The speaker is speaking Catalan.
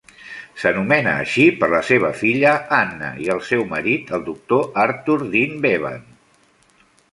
S'anomena així per la seva filla Anna i el seu marit, el doctor Arthur Dean Bevan.